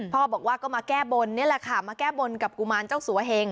บอกว่าก็มาแก้บนนี่แหละค่ะมาแก้บนกับกุมารเจ้าสัวเหง